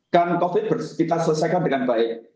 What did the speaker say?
covid kita selesaikan dengan baik